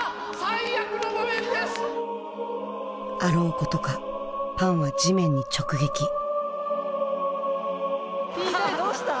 あろうことかパンは地面に直撃Ｔ大どうした？